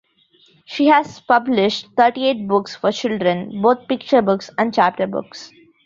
She has published thirty-eight books for children, both picture books and chapter books.